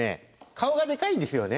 顔がでかいんですよね。